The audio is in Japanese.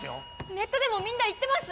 ネットでもみんな言ってます